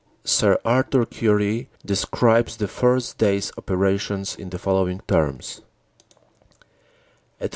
Sir Arthur Currie describes the first day s operations in the following terms : "At 4.